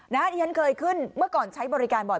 นะฮะเฮียนเคยขึ้นเมื่อก่อนใช้บริการบ่อย